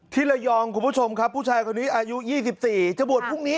ธิลยองคุณผู้ชมครับผู้ชายคนนี้อายุ๒๔บ